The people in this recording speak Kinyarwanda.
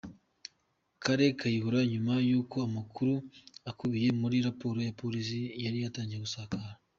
Kale Kayihura, nyuma y’uko amakuru akubiye muri raporo ya polisi yari yatangiye gusakara.